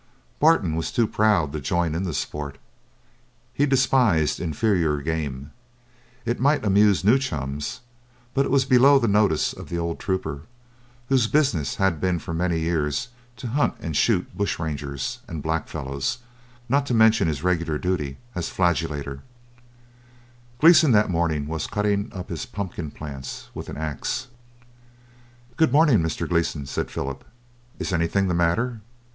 Barton was too proud to join in the sport; he despised inferior game. It might amuse new chums, but it was below the notice of the old trooper, whose business had been for many years to hunt and shoot bushrangers and black fellows, not to mention his regular duty as flagellator. Gleeson that morning was cutting up his pumpkin plants with an axe. "Good morning, Mr. Gleeson," said Philip. "Is anything the matter?